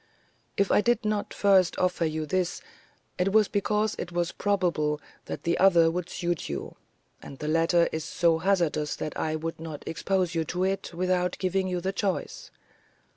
If I did not first offer you this, it was because it was probable that the other would suit you, and the latter is so hazardous that I would not expose you to it without giving you the choice.